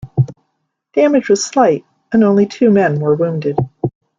Damage was slight, and only two men were wounded.